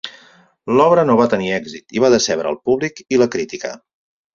L'obra no va tenir èxit i va decebre el públic i la crítica.